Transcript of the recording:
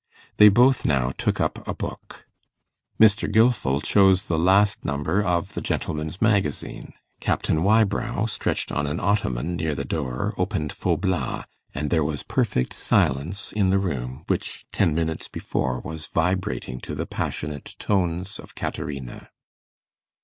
They both now took up a book. Mr. Gilfil chose the last number of the 'Gentleman's Magazine'; Captain Wybrow, stretched on an ottoman near the door, opened 'Faublas'; and there was perfect silence in the room which, ten minutes before, was vibrating to the passionate tones of Caterina.